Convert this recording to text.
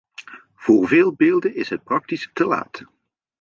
Voor veel beelden is het praktisch te laat.